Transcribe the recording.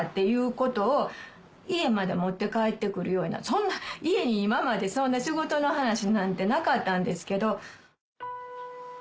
そんな家に今まで仕事の話なんてなかったんですけど。